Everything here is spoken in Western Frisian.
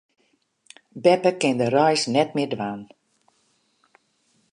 Beppe kin de reis net mear dwaan.